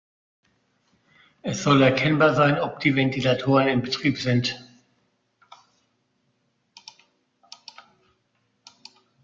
Es soll erkennbar sein, ob die Ventilatoren in Betrieb sind.